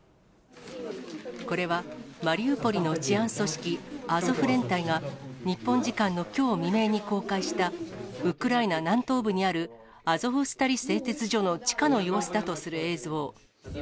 これはマリウポリの治安組織、アゾフ連隊が、日本時間のきょう未明に公開した、ウクライナ南東部にあるアゾフスタリ製鉄所の地下の様子だとする映像。